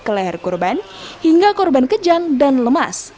pelaku menerima stun gun dan menembakkan stun gun